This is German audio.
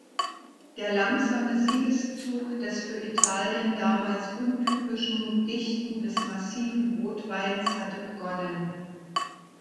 Der langsame Siegeszug des für Italien damals untypischen, dichten bis massiven Rotweins hatte begonnen.